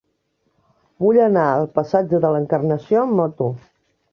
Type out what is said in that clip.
Vull anar al passatge de l'Encarnació amb moto.